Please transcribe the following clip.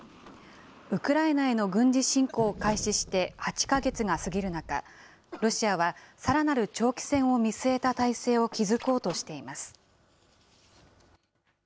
ウクライナへの軍事侵攻を開始して８か月が過ぎる中、ロシアはさらなる長期戦を見据えた体制を築こうとしています。